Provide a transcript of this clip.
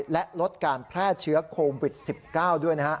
และลดการแพร่เชื้อโควิด๑๙ด้วยนะฮะ